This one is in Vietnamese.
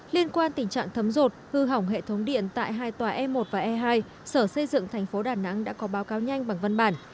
liên quan tình trạng thấm rột hư hỏng hệ thống điện tại hai tòa e một và e hai sở xây dựng thành phố đà nẵng đã có báo cáo nhanh bằng văn bản